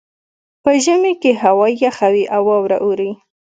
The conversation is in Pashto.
په ژمي کې هوا یخه وي او واوره اوري